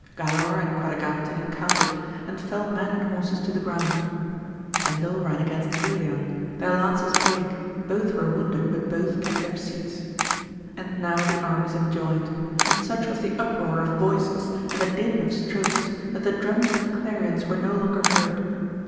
Galaor and Quadragante encountered, and fell man and horses to the ground. Cendil ran against !E3ian ; their lances brake; both were wounded, but both kept their seats. And now the armies had joined, and such was the uproar of voices and the din of strokes, that the drums and clarions were no longer heard.